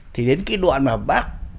thì đến cái đoạn mà bác